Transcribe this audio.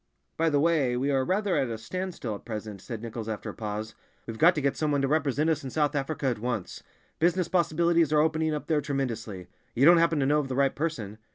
"By the way, we are rather at a standstill at present," said Nichols after a pause. "We've got to get some one to represent us in South Africa at once—business possibilities are opening up there tremendously. You don't happen to know of the right person?"